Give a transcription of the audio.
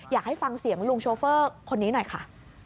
อยากให้ฟังเสียงลุงโชเฟอร์คนนี้หน่อยค่ะ